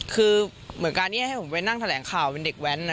คือเหมือนการที่ให้ผมไปนั่งแถลงข่าวเป็นเด็กแว้นนะ